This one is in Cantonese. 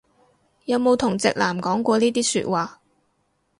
有冇同直男講過呢啲説話